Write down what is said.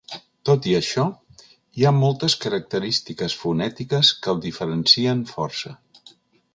Tot i això, hi ha moltes característiques fonètiques que el diferencien força.